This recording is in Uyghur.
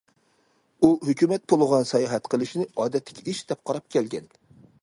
ئۇ ھۆكۈمەت پۇلىغا ساياھەت قىلىشنى‹‹ ئادەتتىكى ئىش›› دەپ قاراپ كەلگەن.